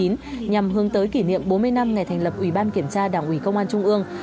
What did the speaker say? nhằm hướng tới kỷ niệm bốn mươi năm ngày thành lập ủy ban kiểm tra đảng ủy công an trung ương